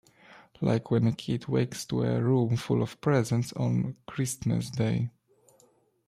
Like when a kid wakes to a room full of presents on Christmas day.